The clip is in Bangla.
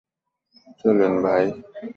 চলুন, ভাই!